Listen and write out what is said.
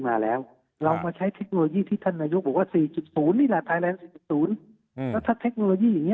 มาแล้วเรามาใช้เทคโนโลยีที่ท่านนายุบอกว่า๔๐นี่แหละไทยแล้วสูงเทคโนโลยี